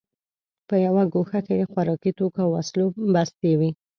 په یوه ګوښه کې د خوراکي توکو او وسلو بستې وې